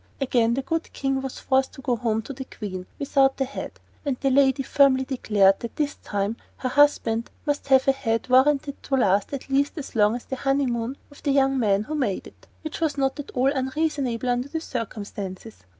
Again the good King was forced to go home to the Queen without a head, and the lady firmly declared that this time her husband must have a head warranted to last at least as long as the honeymoon of the young man who made it; which was not at all unreasonable under the circumstances.